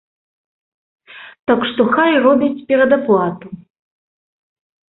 Так што хай робяць перадаплату.